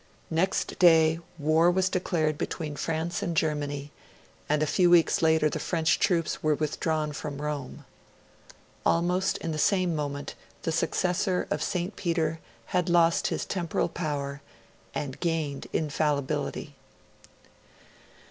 Next day, war was declared between France and Germany, and a few weeks later the French troops were withdrawn from Rome. Almost in the same moment, the successor of St. Peter had lost his Temporal Power, and gained Infallibility.